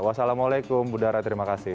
wassalamualaikum budara terima kasih